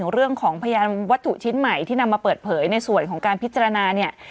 เรื่องของพยานวัตถุชิ้นใหม่ที่นำมาเปิดเผยในส่วนของการพิจารณาเนี่ย